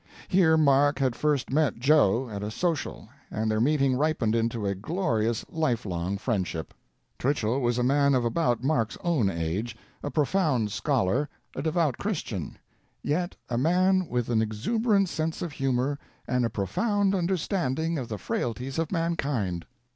Here Mark had first met "Joe" at a social, and their meeting ripened into a glorious, life long friendship. Twichell was a man of about Mark's own age, a profound scholar, a devout Christian, "yet a man with an exuberant sense of humor, and a profound understanding of the frailties of mankind."